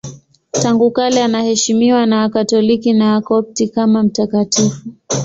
Tangu kale anaheshimiwa na Wakatoliki na Wakopti kama mtakatifu.